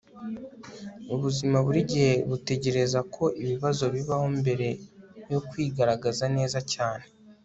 ubuzima burigihe butegereza ko ibibazo bibaho mbere yo kwigaragaza neza cyane